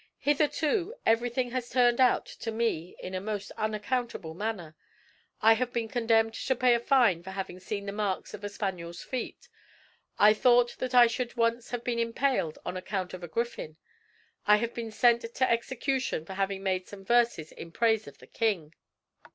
Hitherto everything has turned out to me in a most unaccountable manner. I have been condemned to pay a fine for having seen the marks of a spaniel's feet. I thought that I should once have been impaled on account of a griffin. I have been sent to execution for having made some verses in praise of the king.